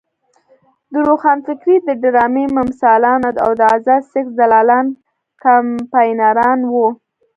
د روښانفکرۍ د ډرامې ممثلان او د ازاد سیکس دلالان کمپاینران وو.